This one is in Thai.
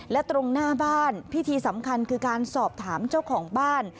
และตรงหน้าบ้านพิธีสำคัญคือการสอบถามเจ้าของบ้าน